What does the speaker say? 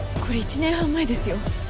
これ１年半前ですよ。